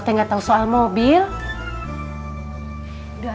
silahkan sana pergi